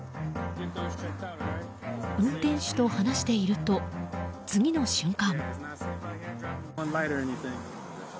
運転手と話していると、次の瞬間。